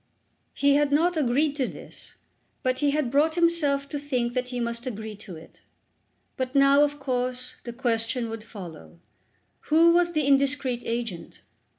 He had not agreed to this, but he had brought himself to think that he must agree to it. But now, of course, the question would follow: Who was the indiscreet agent?